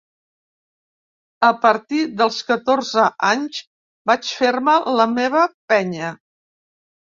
A partir dels catorze anys vaig fer-me la meva penya.